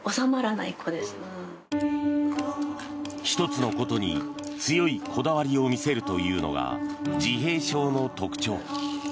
１つのことに強いこだわりを見せるというのが自閉症の特徴。